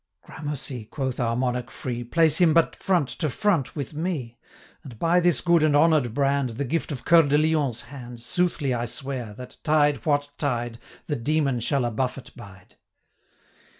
"Gramercy," quoth our Monarch free, "Place him but front to front with me, And, by this good and honour'd brand, The gift of Coeur de Lion's hand, 415 Soothly I swear, that, tide what tide, The demon shall a buffet bide."